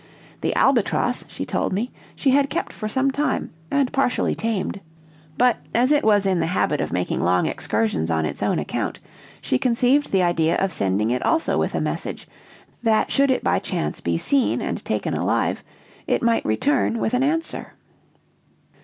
The albatross, she told me, she had kept for some time, and partially tamed; but, as it was in the habit of making long excursions on its own account, she conceived the idea of sending it also with a message, that should it by chance be seen and taken alive, it might return with an answer.